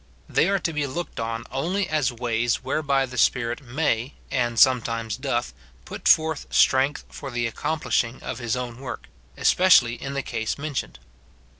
They are to be looked on only as ways whereby the Spi rit may, and sometimes doth, put forth strength for the accomplishing of his own work, especially in the case mentioned.